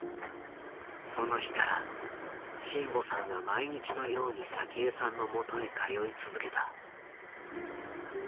その日から眞保さんは毎日のように早紀江さんのもとへ通い続けた。